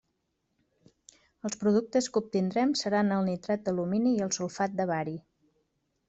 Els productes que obtindrem seran el Nitrat d'Alumini i el Sulfat de Bari.